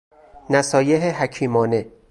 نصایح حکیمانه